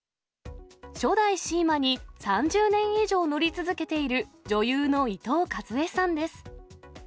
初代シーマに３０年以上乗り続けている、女優の伊藤かずえさんです。